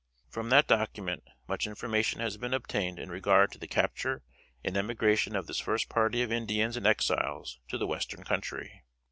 From that document much information has been obtained in regard to the capture and emigration of this first party of Indians and Exiles to the Western Country.